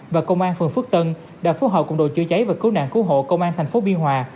và công an phường phước tân đã phối hợp cùng đội chữa cháy và cứu nạn cứu hộ công an thành phố biên hòa